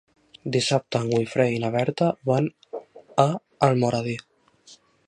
Dissabte en Guifré i na Berta van a Almoradí.